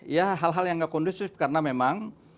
ya hal hal yang nggak kondusif karena memang